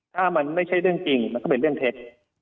ถ้ามันไม่ใช่เรื่องจริงมันก็เป็นเรื่องเท็จ